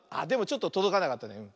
でもちょっととどかなかったね。